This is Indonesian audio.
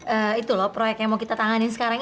ee itu loh proyek yang mau kita tanganin sekarang